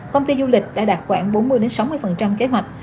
công ty du lịch đã đạt khoảng bốn mươi sáu mươi kế hoạch